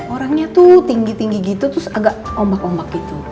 orangnya tuh tinggi tinggi gitu terus agak ombak ombak gitu